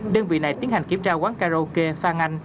đơn vị này tiến hành kiểm tra quán karaoke phan anh